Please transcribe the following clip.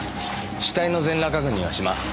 死体の全裸確認はします。